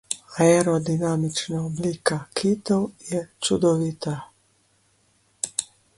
Aerodinamična oblika kitov je čudovita.